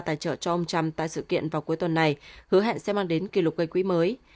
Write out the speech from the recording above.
tài trợ cho ông trump tại sự kiện vào cuối tuần này hứa hẹn sẽ mang đến kỷ lục gây quỹ mới